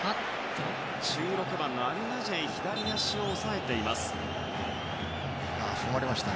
１６番のアルナジェイが左足を押さえていました。